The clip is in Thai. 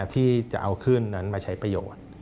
ที่จะเอาคลื่นมาใช้ประโยชน์